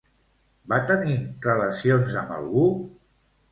Va tenir relacions amb algú?